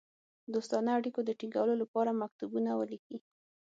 دوستانه اړېکو د تینګولو لپاره مکتوبونه ولیکي.